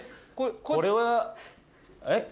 これはえっ？